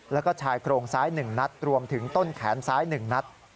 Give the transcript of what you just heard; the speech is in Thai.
แล้วก็ชายโครงซ้าย๑นัดรวมถึงต้นแขนซ้าย๑นัด